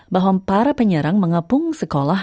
bahwa para penyerang mengapung sekolah